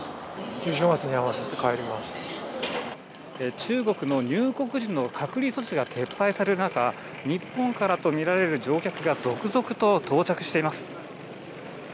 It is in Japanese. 中国の入国時の隔離措置が撤廃される中、日本からとみられる乗客が続々と到着しています。